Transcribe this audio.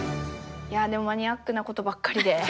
いやでもマニアックなことばっかりで。